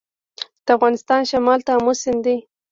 د افغانستان شمال ته امو سیند دی